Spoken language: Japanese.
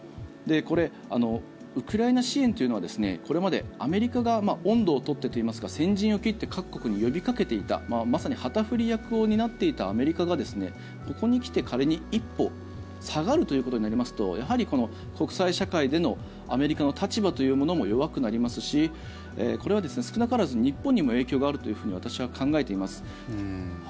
これ、ウクライナ支援というのはこれまでアメリカが音頭を取ってといいますか先陣を切って各国に呼びかけていたまさに旗振り役を担っていたアメリカがここに来て仮に一歩下がるということになりますとやはり国際社会でのアメリカの立場というものも弱くなりますしこれは少なからず日本にも影響があるというふうに私は考えています。